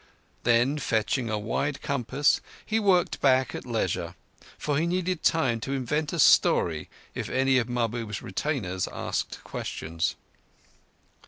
Then, fetching a wide compass, he worked back at leisure, for he needed time to invent a story if any of Mahbub's retainers asked questions.